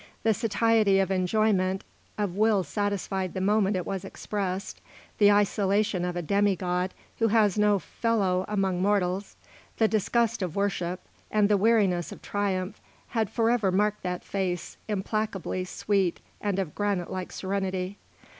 The satiety of enjoyment, of will satisfied the moment it was expressed, the isolation of a demigod who has no fellow among mortals, the disgust of worship, and the weariness of triumph had forever marked that face, implacably sweet and of granite like serenity.